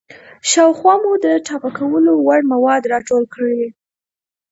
شاوخوا مو د ټاپه کولو وړ مواد راټول کړئ.